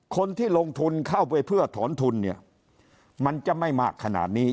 คนที่ลงทุนเข้าไปเพื่อถอนทุนเนี่ยมันจะไม่มากขนาดนี้